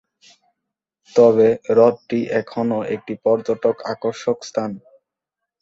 তবে হ্রদটি এখনও একটি পর্যটক আকর্ষক স্থান।